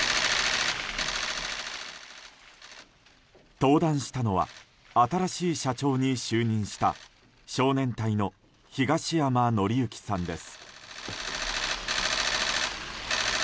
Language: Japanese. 登壇したのは新しい社長に就任した少年隊の東山紀之さんです。